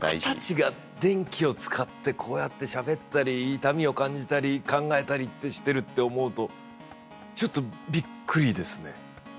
僕たちが電気を使ってこうやってしゃべったり痛みを感じたり考えたりってしてるって思うとちょっとびっくりですね。